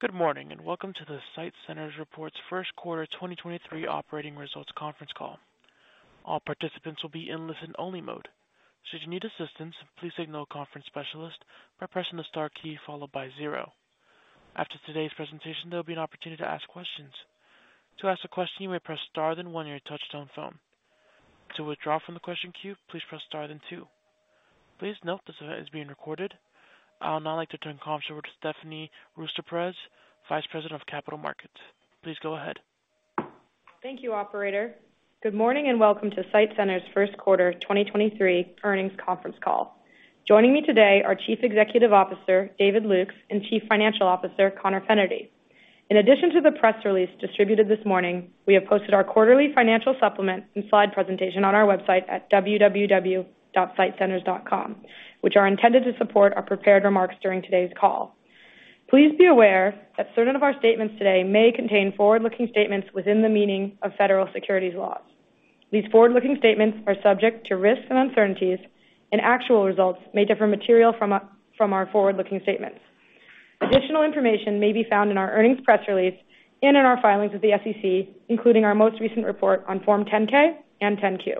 Good morning, and welcome to the SITE Centers Reports first quarter 2023 operating results conference call. All participants will be in listen-only mode. Should you need assistance, please signal a conference specialist by pressing the Star key followed by Zero. After today's presentation, there'll be an opportunity to ask questions. To ask a question, you may press Star then One your touch-tone phone. To withdraw from the question queue, please press star then Two. Please note this event is being recorded. I would now like to turn conference over to Stephanie Ruys de Perez, Vice President of Capital Markets. Please go ahead. Thank you, operator. Good morning, welcome to SITE Centers first quarter 2023 earnings conference call. Joining me today are Chief Executive Officer, David Lukes, and Chief Financial Officer, Conor Fennerty. In addition to the press release distributed this morning, we have posted our quarterly financial supplement and slide presentation on our website at www.sitecenters.com, which are intended to support our prepared remarks during today's call. Please be aware that certain of our statements today may contain forward-looking statements within the meaning of federal securities laws. These forward-looking statements are subject to risks and uncertainties, and actual results may differ material from our forward-looking statements. Additional information may be found in our earnings press release and in our filings with the SEC, including our most recent report on Form 10-K and 10-Q.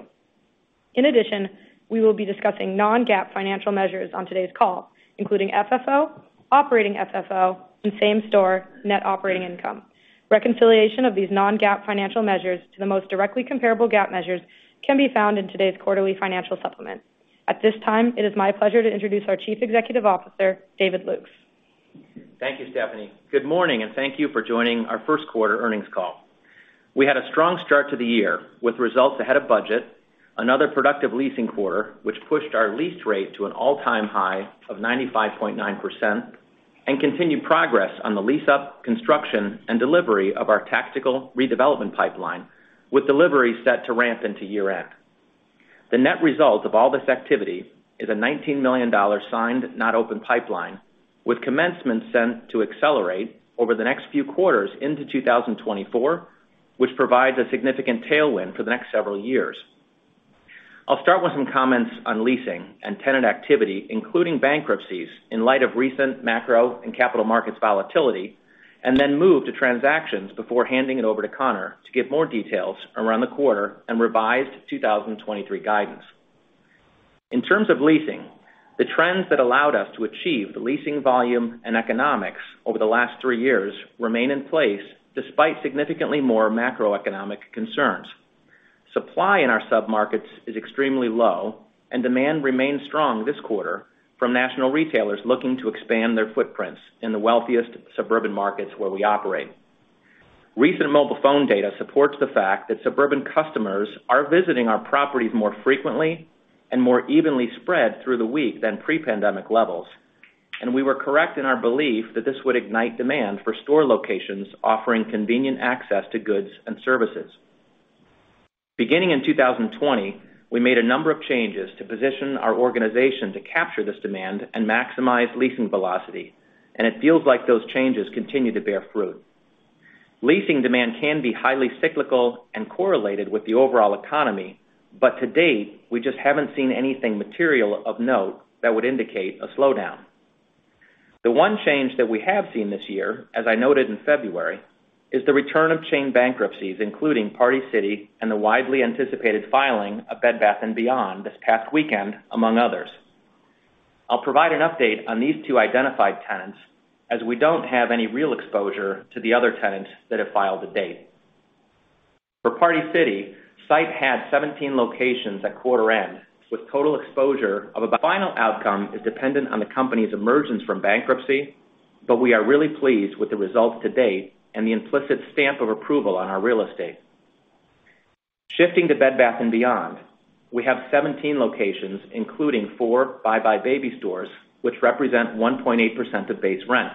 In addition, we will be discussing non-GAAP financial measures on today's call, including FFO, Operating FFO, and Same-Store Net Operating Income. Reconciliation of these non-GAAP financial measures to the most directly comparable GAAP measures can be found in today's quarterly financial supplement. At this time, it is my pleasure to introduce our Chief Executive Officer, David Lukes. Thank you, Stephanie. Good morning, and thank you for joining our first quarter earnings call. We had a strong start to the year with results ahead of budget, another productive leasing quarter, which pushed our lease rate to an all-time high of 95.9%, and continued progress on the lease-up construction and delivery of our tactical redevelopment pipeline, with delivery set to ramp into year-end. The net result of all this activity is a $19 million signed, not open pipeline, with commencement sent to accelerate over the next few quarters into 2024, which provides a significant tailwind for the next several years. I'll start with some comments on leasing and tenant activity, including bankruptcies in light of recent macro and capital markets volatility, and then move to transactions before handing it over to Conor to give more details around the quarter and revised 2023 guidance. In terms of leasing, the trends that allowed us to achieve the leasing volume and economics over the last three years remain in place despite significantly more macroeconomic concerns. Supply in our sub-markets is extremely low, and demand remains strong this quarter from national retailers looking to expand their footprints in the wealthiest suburban markets where we operate. Recent mobile phone data supports the fact that suburban customers are visiting our properties more frequently and more evenly spread through the week than pre-pandemic levels. We were correct in our belief that this would ignite demand for store locations offering convenient access to goods and services. Beginning in 2020, we made a number of changes to position our organization to capture this demand and maximize leasing velocity. It feels like those changes continue to bear fruit. Leasing demand can be highly cyclical and correlated with the overall economy. To date, we just haven't seen anything material of note that would indicate a slowdown. The one change that we have seen this year, as I noted in February, is the return of chain bankruptcies, including Party City and the widely anticipated filing of Bed Bath & Beyond this past weekend, among others. I'll provide an update on these two identified tenants as we don't have any real exposure to the other tenants that have filed to date. For Party City, SITE had 17 locations at quarter end, with total exposure. Final outcome is dependent on the company's emergence from bankruptcy, we are really pleased with the results to date and the implicit stamp of approval on our real estate. Shifting to Bed Bath & Beyond, we have 17 locations, including four buybuy BABY stores, which represent 1.8% of base rent.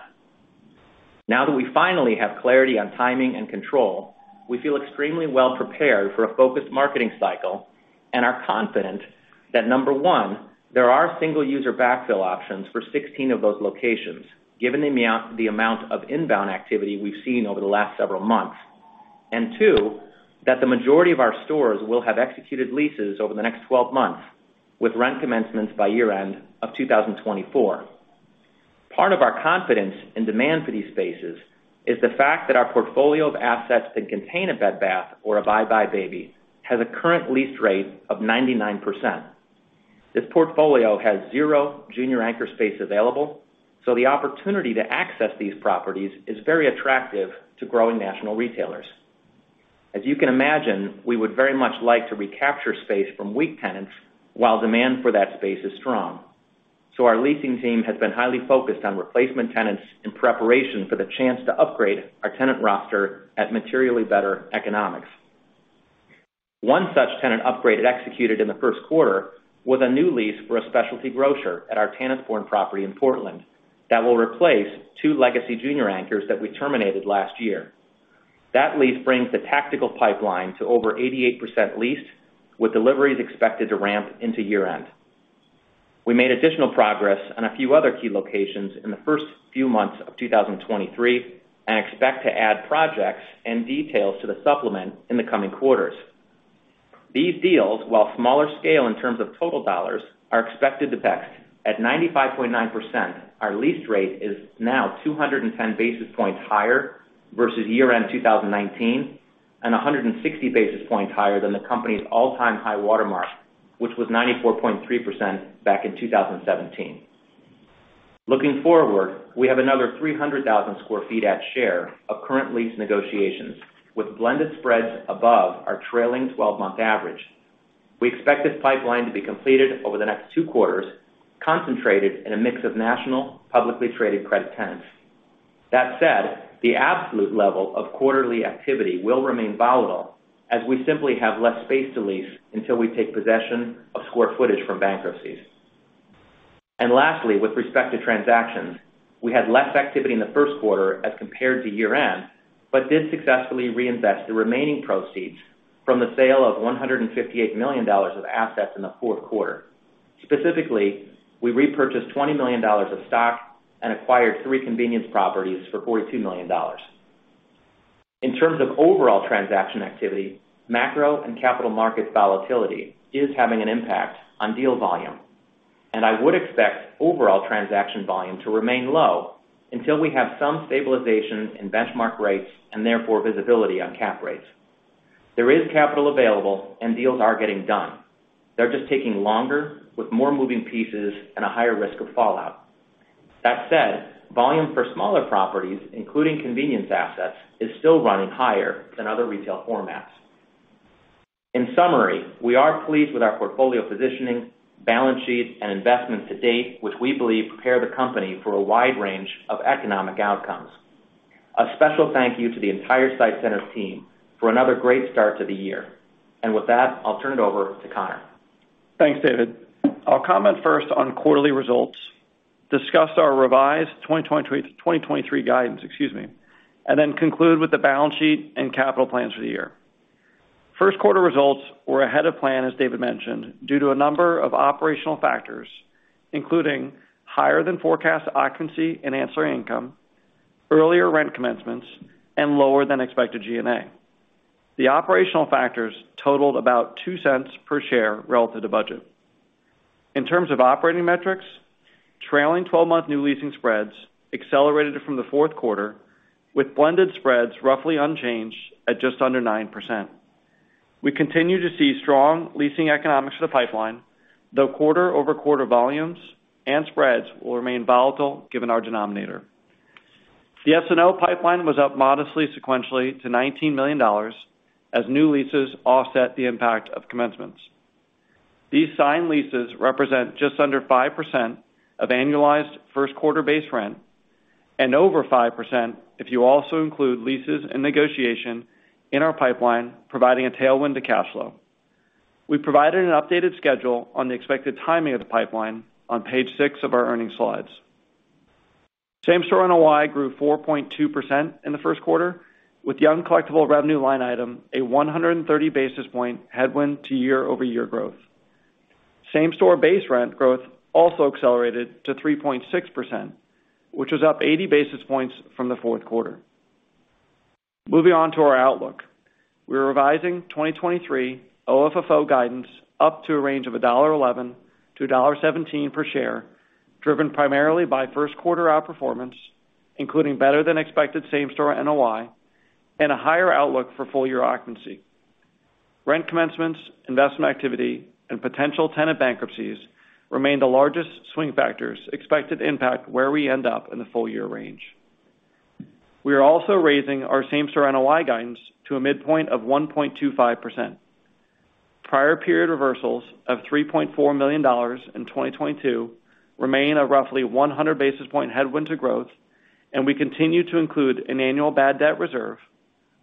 Now that we finally have clarity on timing and control, we feel extremely well prepared for a focused marketing cycle and are confident that, number one, there are single user backfill options for 16 of those locations, given the amount of inbound activity we've seen over the last several months. Two, that the majority of our stores will have executed leases over the next 12 months with rent commencements by year-end of 2024. Part of our confidence in demand for these spaces is the fact that our portfolio of assets that contain a Bed Bath or a buybuy BABY has a current lease rate of 99%. This portfolio has zero junior anchor space available, the opportunity to access these properties is very attractive to growing national retailers. As you can imagine, we would very much like to recapture space from weak tenants while demand for that space is strong. Our leasing team has been highly focused on replacement tenants in preparation for the chance to upgrade our tenant roster at materially better economics. One such tenant upgrade it executed in the first quarter was a new lease for a specialty grocer at our Tanasbourne property in Portland that will replace two legacy junior anchors that we terminated last year. That lease brings the SNO pipeline to over 88% leased, with deliveries expected to ramp into year-end. We made additional progress on a few other key locations in the first few months of 2023 and expect to add projects and details to the supplement in the coming quarters. These deals, while smaller scale in terms of total dollars, are expected to best. At 95.9%, our lease rate is now 210 basis points higher versus year-end 2019, and 160 basis points higher than the company's all-time high water mark, which was 94.3% back in 2017. Looking forward, we have another 300,000 sq ft at share of current lease negotiations, with blended spreads above our trailing twelve-month average. We expect this pipeline to be completed over the next two quarters, concentrated in a mix of national publicly traded credit tenants. That said, the absolute level of quarterly activity will remain volatile as we simply have less space to lease until we take possession of square footage from bankruptcies. Lastly, with respect to transactions, we had less activity in the first quarter as compared to year-end, but did successfully reinvest the remaining proceeds from the sale of $158 million of assets in the fourth quarter. Specifically, we repurchased $20 million of stock and acquired three convenience properties for $42 million. In terms of overall transaction activity, macro and capital market volatility is having an impact on deal volume. I would expect overall transaction volume to remain low until we have some stabilization in benchmark rates and therefore visibility on cap rates. There is capital available and deals are getting done. They're just taking longer with more moving pieces and a higher risk of fallout. That said, volume for smaller properties, including convenience assets, is still running higher than other retail formats. In summary, we are pleased with our portfolio positioning, balance sheet, and investments to date, which we believe prepare the company for a wide range of economic outcomes. A special thank you to the entire SITE Centers team for another great start to the year. With that, I'll turn it over to Conor. Thanks, David. I'll comment first on quarterly results, discuss our revised 2023 guidance, excuse me, then conclude with the balance sheet and capital plans for the year. First quarter results were ahead of plan, as David mentioned, due to a number of operational factors, including higher than forecast occupancy and ancillary income, earlier rent commencements, and lower than expected G&A. The operational factors totaled about $0.02 per share relative to budget. In terms of operating metrics, trailing 12-month new leasing spreads accelerated from the fourth quarter, with blended spreads roughly unchanged at just under 9%. We continue to see strong leasing economics for the pipeline, though quarter-over-quarter volumes and spreads will remain volatile given our denominator. The SNO pipeline was up modestly sequentially to $19 million as new leases offset the impact of commencements. These signed leases represent just under 5% of annualized first quarter base rent and over 5% if you also include leases and negotiation in our pipeline, providing a tailwind to cash flow. We provided an updated schedule on the expected timing of the pipeline on page six of our earnings slides. Same-Store NOI grew 4.2% in the first quarter, with the uncollectible revenue line item a 130 basis point headwind to year-over-year growth. Same-Store base rent growth also accelerated to 3.6%, which was up 80 basis points from the fourth quarter. Moving on to our outlook. We're revising 2023 OFFO guidance up to a range of $1.11 to $1.17 per share, driven primarily by first quarter outperformance, including better than expected Same-Store NOI and a higher outlook for full year occupancy. Rent commencements, investment activity, and potential tenant bankruptcies remain the largest swing factors expected to impact where we end up in the full year range. We are also raising our Same-Store NOI guidance to a midpoint of 1.25%. Prior period reversals of $3.4 million in 2022 remain a roughly 100 basis point headwind to growth, and we continue to include an annual bad debt reserve,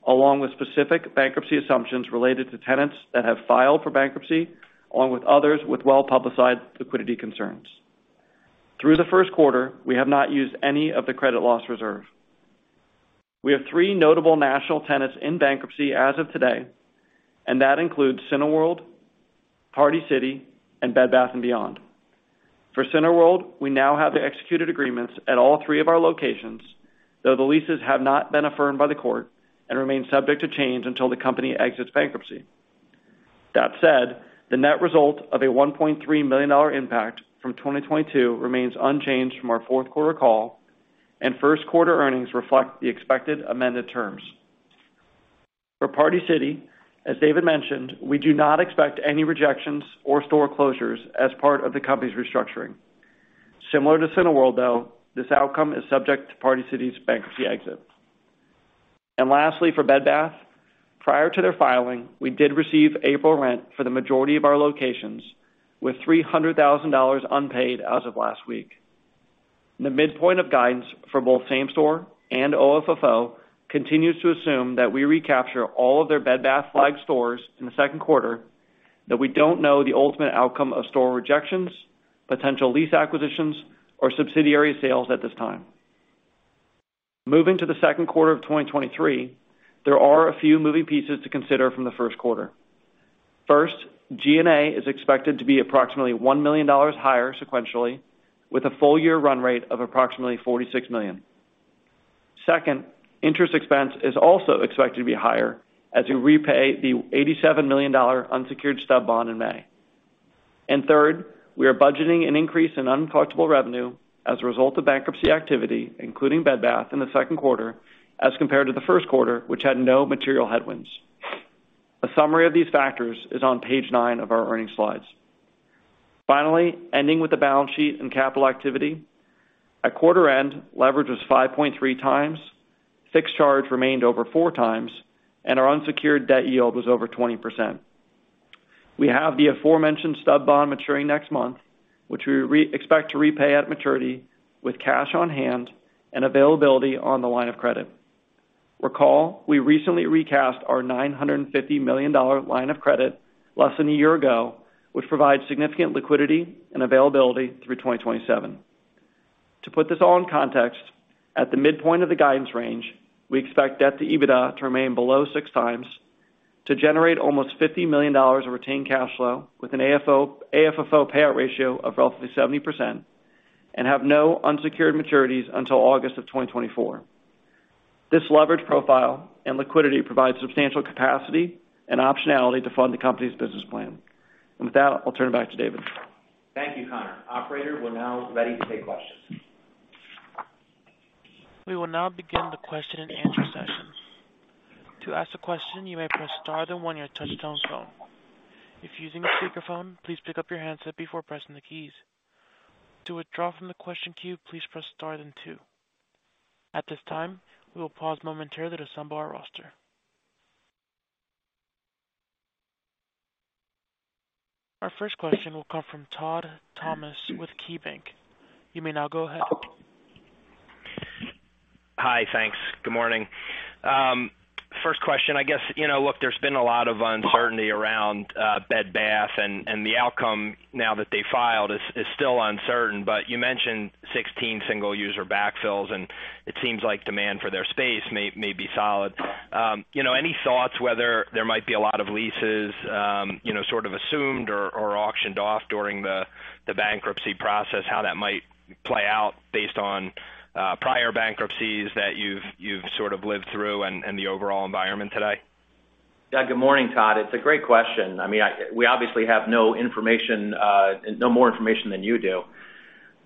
along with specific bankruptcy assumptions related to tenants that have filed for bankruptcy, along with others with well-publicized liquidity concerns. Through the first quarter, we have not used any of the credit loss reserve. We have three notable national tenants in bankruptcy as of today, and that includes Cineworld, Party City, and Bed Bath & Beyond. For Cineworld, we now have the executed agreements at all three of our locations, though the leases have not been affirmed by the court and remain subject to change until the company exits bankruptcy. That said, the net result of a $1.3 million impact from 2022 remains unchanged from our fourth quarter call, and first quarter earnings reflect the expected amended terms. For Party City, as David mentioned, we do not expect any rejections or store closures as part of the company's restructuring. Similar to Cineworld, though, this outcome is subject to Party City's bankruptcy exit. Lastly, for Bed Bath, prior to their filing, we did receive April rent for the majority of our locations, with $300,000 unpaid as of last week. The midpoint of guidance for both Same-Store and OFFO continues to assume that we recapture all of their Bed Bath flag stores in the second quarter, that we don't know the ultimate outcome of store rejections, potential lease acquisitions, or subsidiary sales at this time. Moving to the second quarter of 2023, there are a few moving pieces to consider from the first quarter. First, G&A is expected to be approximately $1 million higher sequentially, with a full year run rate of approximately $46 million. Second, interest expense is also expected to be higher as we repay the $87 million unsecured stub bond in May. Third, we are budgeting an increase in uncollectible revenue as a result of bankruptcy activity, including Bed Bath in the second quarter as compared to the first quarter, which had no material headwinds. A summary of these factors is on page nine of our earnings slides. Ending with the balance sheet and capital activity. At quarter end, leverage was 5.3x, fixed charge remained over 4x, and our unsecured debt yield was over 20%. We have the aforementioned stub bond maturing next month, which we expect to repay at maturity with cash on hand and availability on the line of credit. Recall, we recently recast our $950 million line of credit less than a year ago, which provides significant liquidity and availability through 2027. To put this all in context, at the midpoint of the guidance range, we expect debt to EBITDA to remain below 6x, to generate almost $50 million of retained cash flow with an AFFO payout ratio of roughly 70% and have no unsecured maturities until August 2024. This leverage profile and liquidity provides substantial capacity and optionality to fund the company's business plan. With that, I'll turn it back to David. Thank you, Connor. Operator, we're now ready to take questions. We will now begin the question-and-answer session. To ask a question, you may press Star then one your touchtone phone. If using a speakerphone, please pick up your handset before pressing the keys. To withdraw from the question queue, please press Star then Two. At this time, we will pause momentarily to assemble our roster. Our first question will come from Todd Thomas with KeyBanc. You may now go ahead. Hi. Thanks. Good morning. First question, I guess, you know, look, there's been a lot of uncertainty around Bed Bath and the outcome now that they filed is still uncertain. You mentioned 16 single user backfills, and it seems like demand for their space may be solid. Any thoughts whether there might be a lot of leases, you know, sort of assumed or auctioned off during the bankruptcy process, how that might play out based on prior bankruptcies that you've sort of lived through and the overall environment today? Good morning, Todd. It's a great question. I mean, we obviously have no information, no more information than you do.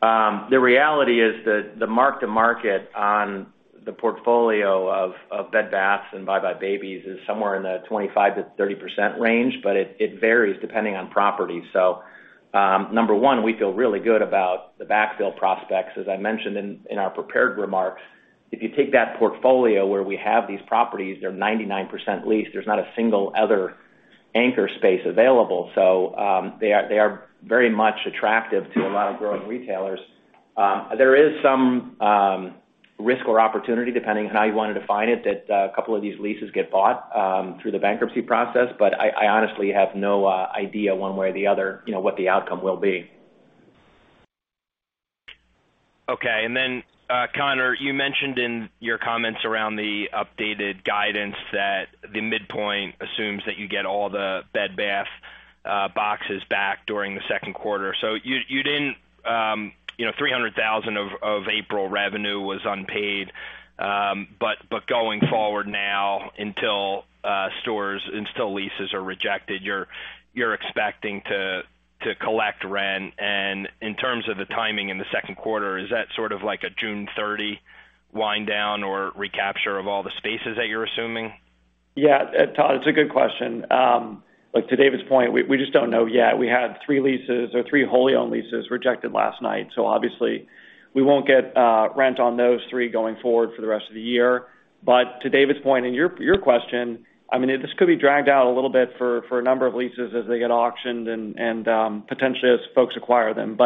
The reality is that the mark-to-market on the portfolio of Bed Baths and buybuy BABY is somewhere in the 25%-30% range, but it varies depending on property. number one, we feel really good about the backfill prospects. As I mentioned in our prepared remarks, if you take that portfolio where we have these properties, they're 99% leased. There's not a single other anchor space available. They are very much attractive to a lot of growing retailers. There is some risk or opportunity, depending on how you wanna define it, that a couple of these leases get bought through the bankruptcy process. I honestly have no idea one way or the other, you know, what the outcome will be. Okay. Conor, you mentioned in your comments around the updated guidance that the midpoint assumes that you get all the Bed Bath boxes back during the second quarter. You didn't, you know, $300,000 of April revenue was unpaid, but going forward now until leases are rejected, you're expecting to collect rent. In terms of the timing in the second quarter, is that sort of like a June 30 wind down or recapture of all the spaces that you're assuming? Todd, it's a good question. Look, to David's point, we just don't know yet. We had three leases or three wholly owned leases rejected last night, so obviously we won't get rent on those three going forward for the rest of the year. To David's point, and your question, I mean, this could be dragged out a little bit for a number of leases as they get auctioned and potentially as folks acquire them.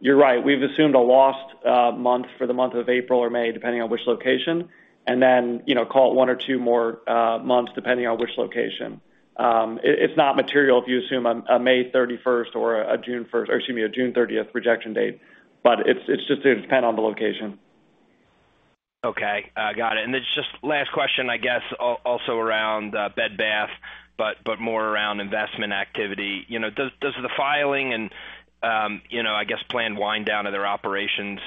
You're right, we've assumed a lost month for the month of April or May, depending on which location, and then, you know, call it one or two more months, depending on which location. It's not material if you assume a May 31st or a June 1st or excuse me, a June 30th rejection date, but it's just gonna depend on the location. Okay. Got it. Just last question, I guess also around Bed Bath, but more around investment activity. You know, does the filing and, you know, I guess planned wind down of their operations,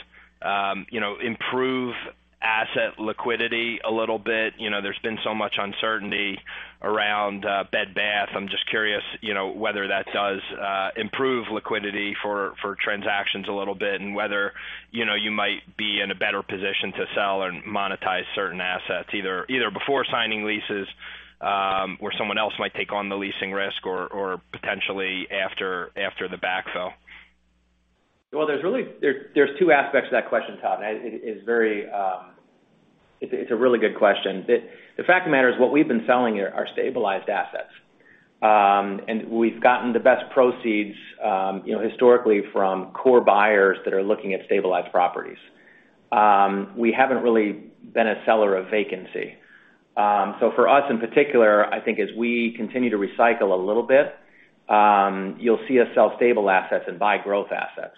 you know, improve asset liquidity a little bit? You know, there's been so much uncertainty around Bed Bath. I'm just curious, you know, whether that does improve liquidity for transactions a little bit and whether, you know, you might be in a better position to sell or monetize certain assets either before signing leases, where someone else might take on the leasing risk or potentially after the backfill? Well, there's really, there's two aspects to that question, Todd, and it is very, it's a really good question. The fact of the matter is what we've been selling are stabilized assets. We've gotten the best proceeds, you know, historically from core buyers that are looking at stabilized properties. We haven't really been a seller of vacancy. For us in particular, I think as we continue to recycle a little bit, you'll see us sell stable assets and buy growth assets.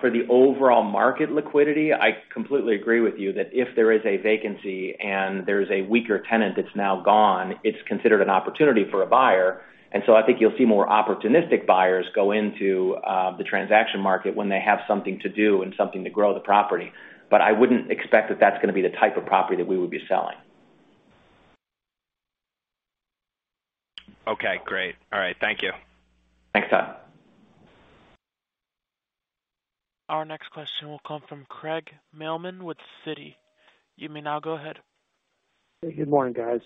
For the overall market liquidity, I completely agree with you that if there is a vacancy and there's a weaker tenant that's now gone, it's considered an opportunity for a buyer. I think you'll see more opportunistic buyers go into the transaction market when they have something to do and something to grow the property. I wouldn't expect that that's going to be the type of property that we would be selling. Okay, great. All right, thank you. Thanks, Todd. Our next question will come from Craig Mailman with Citi. You may now go ahead. Hey, good morning, guys.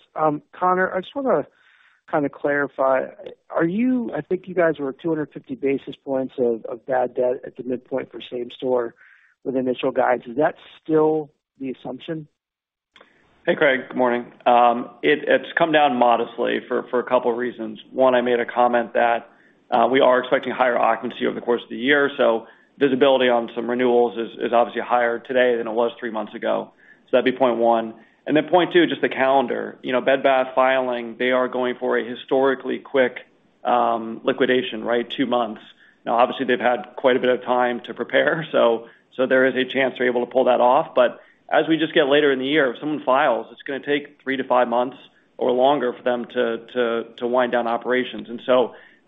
Conor, I just wanna kind of clarify. I think you guys were 250 basis points of bad debt at the midpoint for Same-Store with initial guides. Is that still the assumption? Hey, Craig. Good morning. It's come down modestly for a couple reasons. One, I made a comment that we are expecting higher occupancy over the course of the year, so visibility on some renewals is obviously higher today than it was three months ago. So that'd be point one. And then point two, just the calendar. You know, Bed Bath filing, they are going for a historically quick liquidation, right, two months. Now, obviously they've had quite a bit of time to prepare, so there is a chance they're able to pull that off. But as we just get later in the year, if someone files, it's gonna take three to five months or longer for them to wind down operations.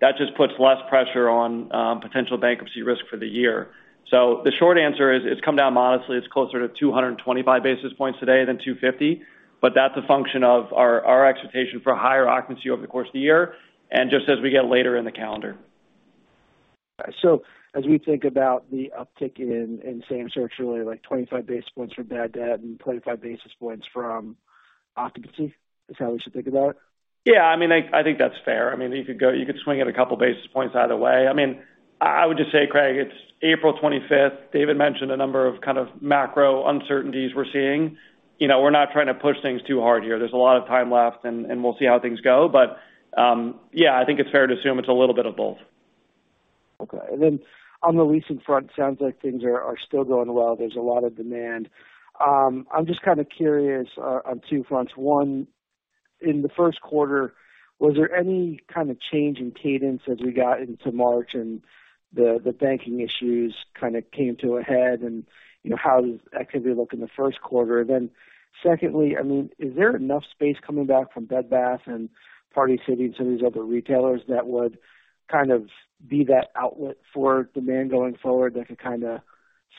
That just puts less pressure on potential bankruptcy risk for the year. The short answer is, it's come down modestly. It's closer to 225 basis points today than 250, but that's a function of our expectation for higher occupancy over the course of the year and just as we get later in the calendar. As we think about the uptick in Same-Store NOI, really like 25 basis points from bad debt and 25 basis points from occupancy, is that how we should think about it? Yeah. I mean, I think that's fair. I mean, you could swing it a couple basis points either way. I mean, I would just say, Craig, it's April 25th. David mentioned a number of kind of macro uncertainties we're seeing. You know, we're not trying to push things too hard here. There's a lot of time left, and we'll see how things go. Yeah, I think it's fair to assume it's a little bit of both. Okay. On the leasing front, sounds like things are still going well. There's a lot of demand. I'm just kind of curious on two fronts. One, in the first quarter, was there any kind of change in cadence as we got into March and the banking issues kind of came to a head? You know, how does activity look in the first quarter? Secondly, I mean, is there enough space coming back from Bed Bath and Party City and some of these other retailers that would kind of be that outlet for demand going forward that could kind of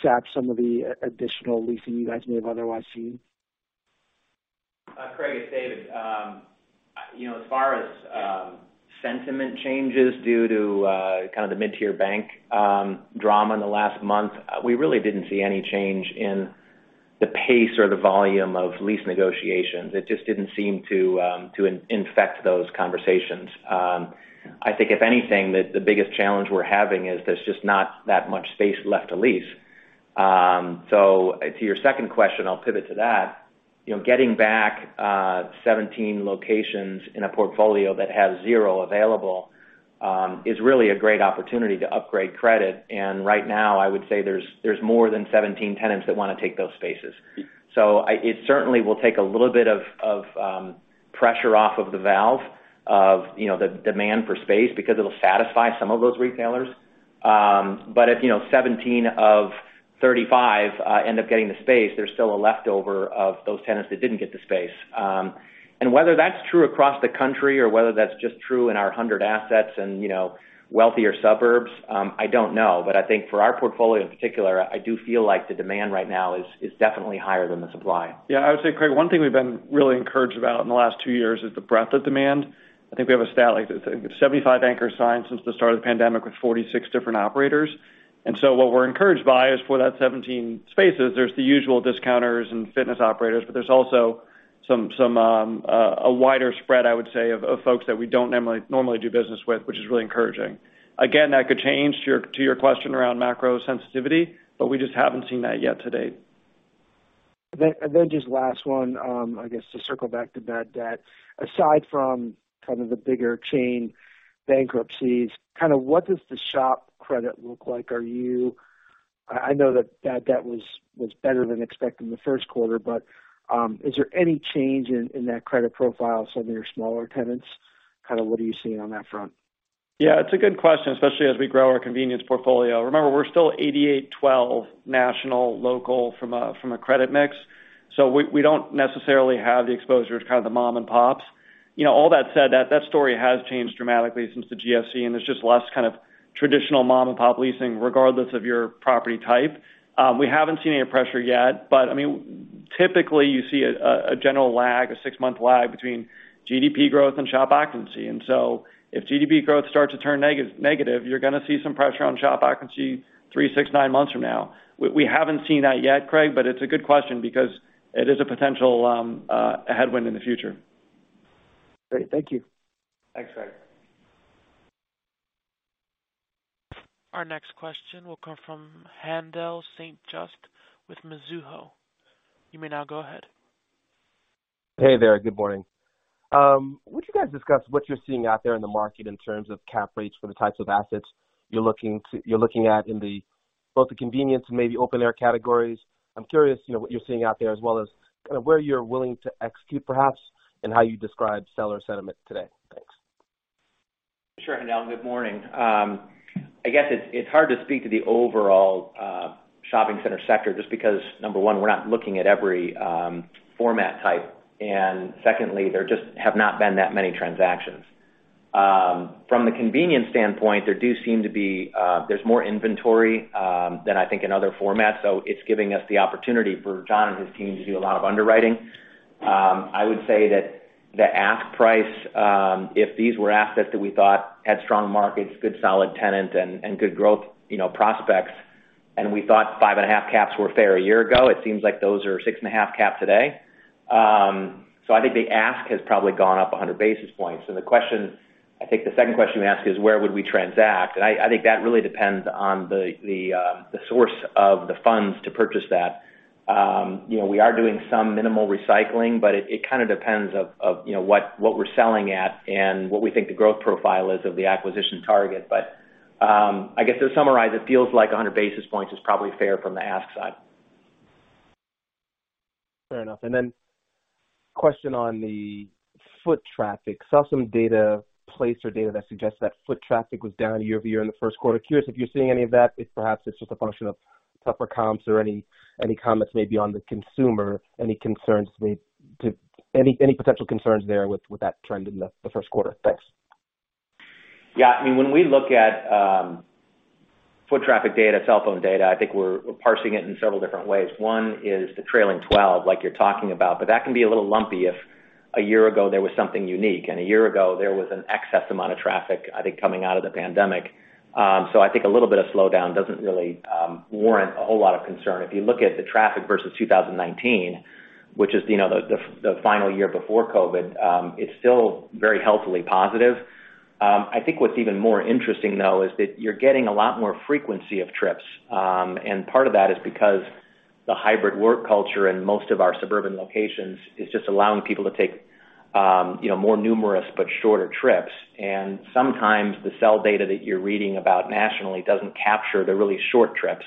sap some of the additional leasing you guys may have otherwise seen? Craig, it's David. You know, as far as sentiment changes due to kind of the mid-tier bank drama in the last month, we really didn't see any change in the pace or the volume of lease negotiations. It just didn't seem to infect those conversations. I think if anything, the biggest challenge we're having is there's just not that much space left to lease. To your second question, I'll pivot to that. You know, getting back 17 locations in a portfolio that has zero available is really a great opportunity to upgrade credit. Right now, I would say there's more than 17 tenants that wanna take those spaces. It certainly will take a little bit of pressure off of the valve of, you know, the demand for space because it'll satisfy some of those retailers. If, you know, 17 of 35 end up getting the space, there's still a leftover of those tenants that didn't get the space. Whether that's true across the country or whether that's just true in our 100 assets and, you know, wealthier suburbs, I don't know. I think for our portfolio in particular, I do feel like the demand right now is definitely higher than the supply. I would say, Craig, one thing we've been really encouraged about in the last two years is the breadth of demand. I think we have a stat, like 75 anchor signs since the start of the pandemic with 46 different operators. What we're encouraged by is for that 17 spaces, there's the usual discounters and fitness operators, but there's also some, a wider spread, I would say, of folks that we don't normally do business with, which is really encouraging. Again, that could change to your, to your question around macro sensitivity, but we just haven't seen that yet to date. Just last one, I guess to circle back to bad debt. Aside from kind of the bigger chain bankruptcies, kind of what does the shop credit look like? I know that bad debt was better than expected in the first quarter, is there any change in that credit profile, some of your smaller tenants? Kind of what are you seeing on that front? Yeah, it's a good question, especially as we grow our convenience portfolio. Remember, we're still 88/12 national, local from a credit mix. We don't necessarily have the exposure to kind of the mom and pops. You know, all that said, that story has changed dramatically since the GFC, and there's just less kind of traditional mom and pop leasing, regardless of your property type. We haven't seen any pressure yet, but I mean, typically you see a general lag, a six-month lag between GDP growth and shop occupancy. If GDP growth starts to turn negative, you're gonna see some pressure on shop occupancy three, six, nine months from now. We haven't seen that yet, Craig, but it's a good question because it is a potential headwind in the future. Great. Thank you. Thanks, Craig. Our next question will come from Haendel St. Juste with Mizuho. You may now go ahead. Hey there. Good morning. Would you guys discuss what you're seeing out there in the market in terms of cap rates for the types of assets you're looking at in the both the convenience and maybe open air categories? I'm curious, you know, what you're seeing out there as well as kind of where you're willing to execute perhaps, and how you describe seller sentiment today. Thanks. Sure, Haendel, good morning. I guess it's hard to speak to the overall shopping center sector just because, number one, we're not looking at every format type, and secondly, there just have not been that many transactions. From a convenience standpoint, there do seem to be, there's more inventory than I think in other formats. It's giving us the opportunity for John and his team to do a lot of underwriting. I would say that the ask price, if these were assets that we thought had strong markets, good solid tenants and good growth, you know, prospects, and we thought 5.5 caps were fair a year ago, it seems like those are 6.5 caps today. I think the ask has probably gone up 100 basis points. The question I think the second question you ask is where would we transact? I think that really depends on the source of the funds to purchase that. You know, we are doing some minimal recycling, but it kind of depends of, you know, what we're selling at and what we think the growth profile is of the acquisition target. I guess to summarize, it feels like 100 basis points is probably fair from the ask side. Fair enough. Question on the foot traffic. Saw some data, place or data, that suggests that foot traffic was down year-over-year in the first quarter. Curious if you're seeing any of that. If perhaps it's just a function of tougher comps or any comments maybe on the consumer, any potential concerns there with that trend in the first quarter. Thanks. Yeah. I mean, when we look at foot traffic data, cell phone data, I think we're parsing it in several different ways. One is the trailing twelve, like you're talking about, but that can be a little lumpy if a year ago there was something unique, and a year ago there was an excess amount of traffic, I think, coming out of the pandemic. I think a little bit of slowdown doesn't really warrant a whole lot of concern. If you look at the traffic versus 2019, which is, you know, the final year before COVID, it's still very healthily positive. I think what's even more interesting, though, is that you're getting a lot more frequency of trips. Part of that is because the hybrid work culture in most of our suburban locations is just allowing people to take more numerous but shorter trips. Sometimes the cell data that you're reading about nationally doesn't capture the really short trips.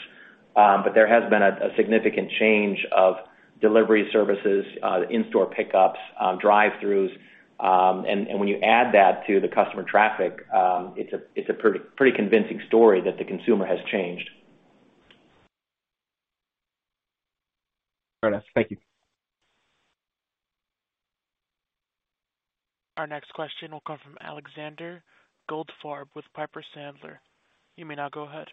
There has been a significant change of delivery services, in-store pickups, drive-thrus, when you add that to the customer traffic, it's a pretty convincing story that the consumer has changed. Fair enough. Thank you. Our next question will come from Alexander Goldfarb with Piper Sandler. You may now go ahead.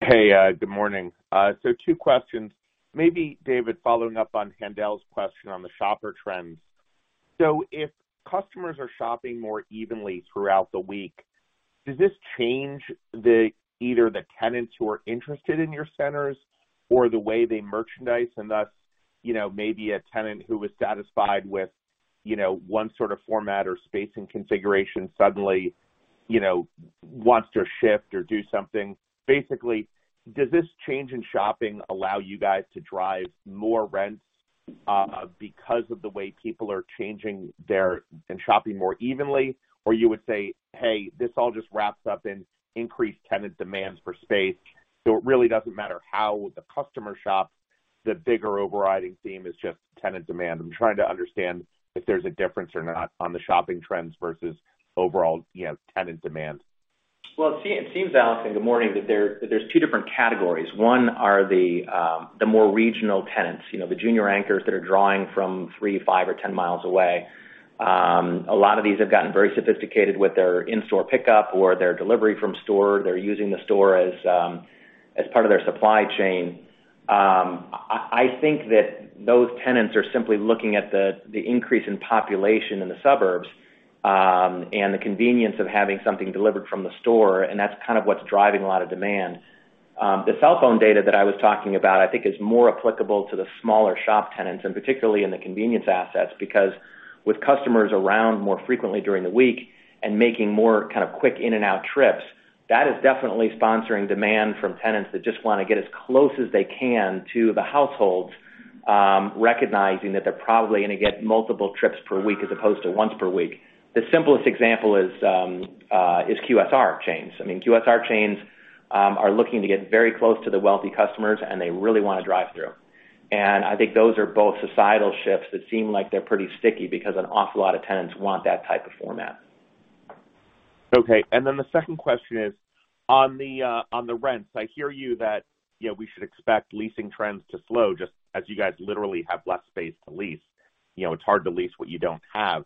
Hey, good morning. Two questions. Maybe, David, following up on Haendel's question on the shopper trends. If customers are shopping more evenly throughout the week, does this change the either the tenants who are interested in your centers or the way they merchandise? Thus, you know, maybe a tenant who was satisfied with, you know, one sort of format or space and configuration suddenly, you know, wants to shift or do something. Basically, does this change in shopping allow you guys to drive more rents because of the way people are changing their and shopping more evenly? You would say, "Hey, this all just wraps up in increased tenant demands for space, so it really doesn't matter how the customer shops, the bigger overriding theme is just tenant demand." I'm trying to understand if there's a difference or not on the shopping trends versus overall, you know, tenant demand. Well, it seems, Alex, and good morning, that there's two different categories. One are the more regional tenants, you know, the junior anchors that are drawing from 3 mi, 5 mi or 10 mi away. A lot of these have gotten very sophisticated with their in-store pickup or their delivery from store. They're using the store as part of their supply chain. I think that those tenants are simply looking at the increase in population in the suburbs, and the convenience of having something delivered from the store, and that's kind of what's driving a lot of demand. The cell phone data that I was talking about, I think is more applicable to the smaller shop tenants, and particularly in the convenience assets, because with customers around more frequently during the week and making more kind of quick in and out trips, that is definitely sponsoring demand from tenants that just wanna get as close as they can to the households, recognizing that they're probably gonna get multiple trips per week as opposed to once per week. The simplest example is QSR chains. I mean, QSR chains are looking to get very close to the wealthy customers, and they really want a drive-thru. I think those are both societal shifts that seem like they're pretty sticky because an awful lot of tenants want that type of format. Okay. The second question is on the rents. I hear you that, you know, we should expect leasing trends to slow, just as you guys literally have less space to lease. You know, it's hard to lease what you don't have.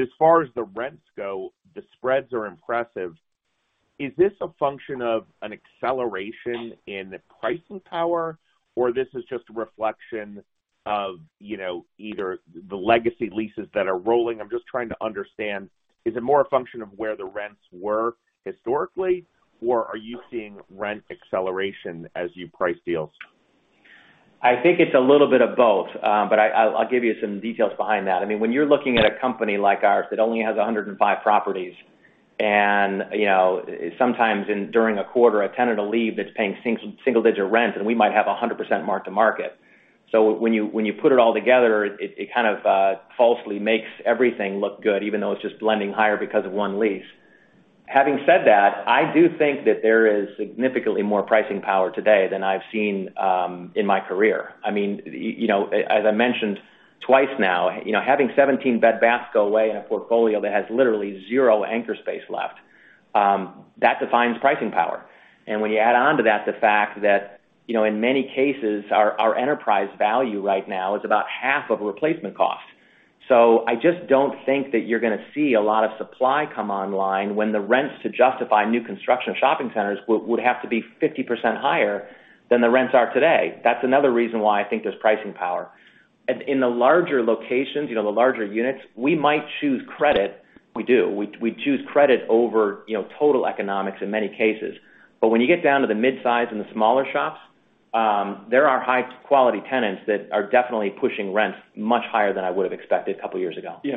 As far as the rents go, the spreads are impressive. Is this a function of an acceleration in pricing power, or this is just a reflection of, you know, either the legacy leases that are rolling? I'm just trying to understand, is it more a function of where the rents were historically, or are you seeing rent acceleration as you price deals? I think it's a little bit of both, but I'll, I'll give you some details behind that. I mean, when you're looking at a company like ours that only has 105 properties, and, you know, sometimes during a quarter, a tenant will leave that's paying single-digit rent, and we might have a 100% mark-to-market. When you, when you put it all together, it kind of, falsely makes everything look good, even though it's just blending higher because of one lease. Having said that, I do think that there is significantly more pricing power today than I've seen in my career. I mean, you know, as I mentioned twice now, you know, having 17 Bed Bath go away in a portfolio that has literally zero anchor space left, that defines pricing power. When you add on to that, the fact that, you know, in many cases our enterprise value right now is about half of replacement cost. I just don't think that you're gonna see a lot of supply come online when the rents to justify new construction of shopping centers would have to be 50% higher than the rents are today. That's another reason why I think there's pricing power. In the larger locations, you know, the larger units, we might choose credit. We do. We choose credit over, you know, total economics in many cases. When you get down to the mid-size and the smaller shops, there are high quality tenants that are definitely pushing rents much higher than I would have expected a couple of years ago. You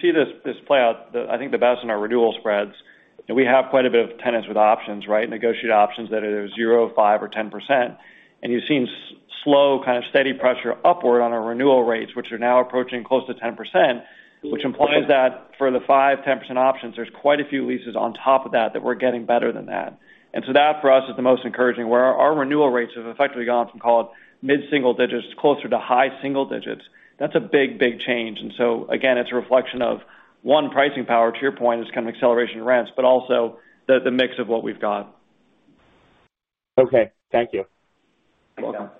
see this play out, I think the best in our renewal spreads. We have quite a bit of tenants with options, right? Negotiated options that are either 0%, 5%, or 10%. You've seen slow, kind of steady pressure upward on our renewal rates, which are now approaching close to 10%, which implies that for the 5%, 10% options, there's quite a few leases on top of that we're getting better than that. That for us is the most encouraging, where our renewal rates have effectively gone from, call it, mid-single digits closer to high single digits. That's a big change. Again, it's a reflection of one, pricing power to your point is kind of acceleration rents, but also the mix of what we've got. Okay, thank you. You're welcome. You're welcome.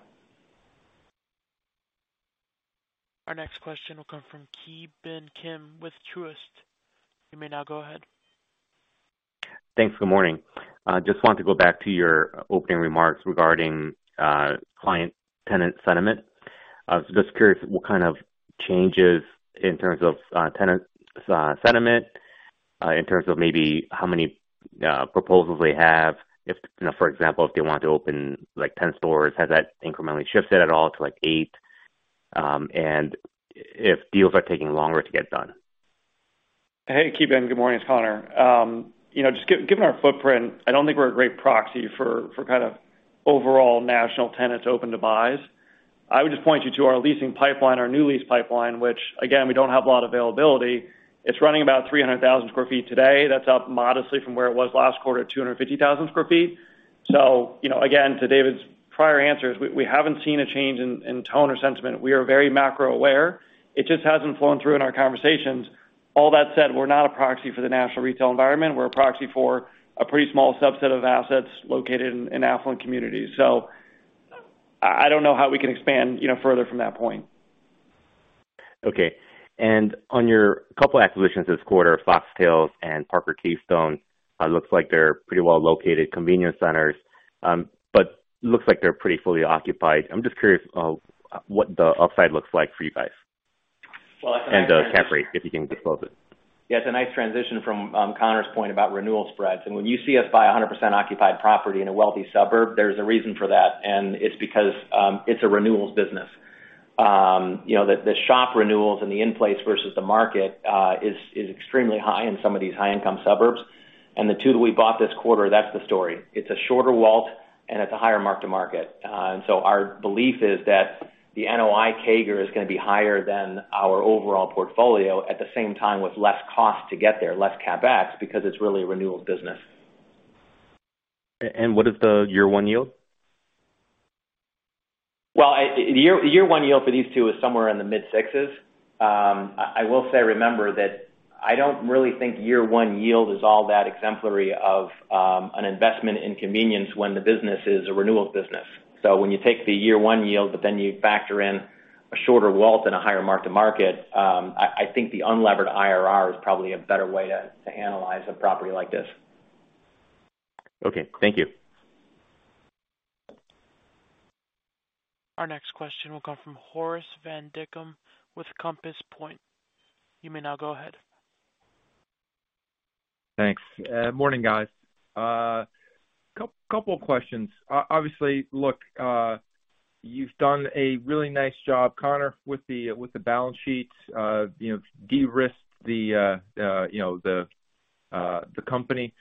Our next question will come from Ki Bin Kim with Truist. You may now go ahead. Thanks. Good morning. Just want to go back to your opening remarks regarding client tenant sentiment. I was just curious what kind of changes in terms of tenant sentiment, in terms of maybe how many proposals they have. If, you know, for example, if they want to open like 10 stores, has that incrementally shifted at all to like eight? If deals are taking longer to get done? Hey, Ki Bin. Good morning. It's Conor. You know, just given our footprint, I don't think we're a great proxy for kind of overall national tenants open to buys. I would just point you to our leasing pipeline, our new lease pipeline, which again, we don't have a lot of availability. It's running about 300,000 sq ft today. That's up modestly from where it was last quarter at 250,000 sq ft. You know, again, to David's prior answers, we haven't seen a change in tone or sentiment. We are very macro aware. It just hasn't flown through in our conversations. All that said, we're not a proxy for the national retail environment. We're a proxy for a pretty small subset of assets located in affluent communities. I don't know how we can expand, you know, further from that point. Okay. On your couple acquisitions this quarter, Foxtails and Parker Keystone, it looks like they're pretty well located convenience centers. Looks like they're pretty fully occupied. I'm just curious of what the upside looks like for you guys. Well, that's a nice transition. The cap rate, if you can disclose it. Yeah. It's a nice transition from Conor's point about renewal spreads. When you see us buy a 100% occupied property in a wealthy suburb, there's a reason for that, and it's because it's a renewals business. you know, the shop renewals and the in-place versus the market, is extremely high in some of these high-income suburbs. The two that we bought this quarter, that's the story. It's a shorter WALT, and it's a higher mark-to-market. Our belief is that the NOI CAGR is gonna be higher than our overall portfolio at the same time with less cost to get there, less CapEx, because it's really a renewals business. What is the year one yield? Well, the year one yield for these two is somewhere in the mid-six's. I will say remember that I don't really think year one yield is all that exemplary of an investment in convenience when the business is a renewals business. When you take the year one yield, you factor in a shorter WALT and a higher mark-to-market, I think the unlevered IRR is probably a better way to analyze a property like this. Okay, thank you. Our next question will come from Floris van Dijkum with Compass Point. You may now go ahead. Thanks. Morning, guys. Couple of questions. Obviously, look, you've done a really nice job, Conor, with the balance sheets, you know, de-risked the company.